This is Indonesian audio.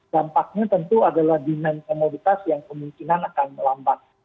dampaknya tentu adalah demand komoditas yang kemungkinan akan melambat